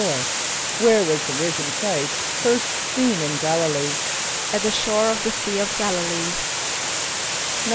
= Where was the risen Chr[=i]st first seen in G[)a]l´[)i] lee? =At the shore of the Sea of G[)a]l´[)i] lee.